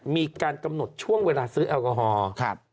มีการกำหนดช่วงเวลาซื้อแอลกอฮอล์